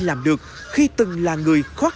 làm được khi từng là người khoát